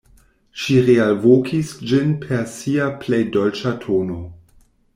Ŝi realvokis ĝin per sia plej dolĉa tono.